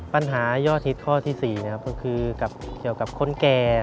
ปัญหายอดฤทธิ์ข้อที่๔คือเกี่ยวกับคนแก่